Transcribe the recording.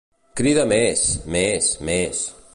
Crida més, més, més.